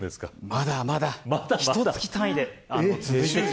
まだまだ、ひと月単位で。